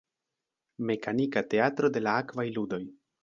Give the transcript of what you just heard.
Mekanika teatro de la Akvaj Ludoj.